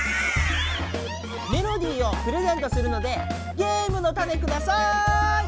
メロディーをプレゼントするのでゲームのタネください！